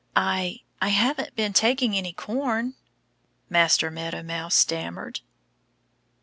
"I I haven't been taking any corn," Master Meadow Mouse stammered.